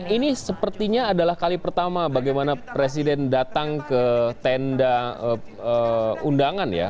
ini sepertinya adalah kali pertama bagaimana presiden datang ke tenda undangan ya